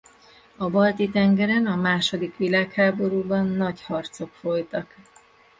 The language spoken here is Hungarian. A Balti-tengeren a második világháborúban nagy harcok folytak.